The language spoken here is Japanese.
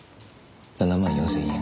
７万４０００円。